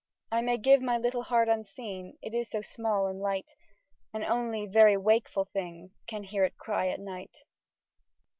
I may give my little heart unseen. It is so small and light; And only very wakeful things Can hear it cry at night.